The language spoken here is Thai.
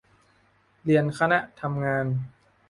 เรียนคณะทำงาน